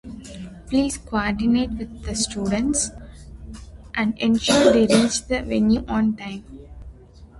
The series has featured Michael Carvin, Jimmy Cobb, Bob French, and Alvin Batiste.